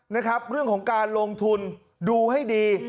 นะครับเรื่องของการลงทุนดูให้ดี